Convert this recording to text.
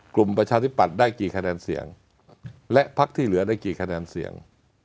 ประชาธิปัตย์ได้กี่คะแนนเสียงและพักที่เหลือได้กี่คะแนนเสียง